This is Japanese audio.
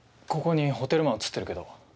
ここにホテルマン写ってるけど。